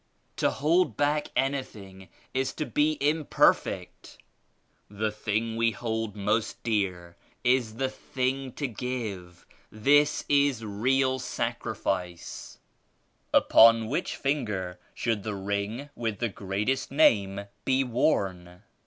To hold back anything is to be imperfect. The thing we hold most dear is the thing to give. This is real sacrifice." 14 Upon which finger should the ring with the Greatest Name be worn?"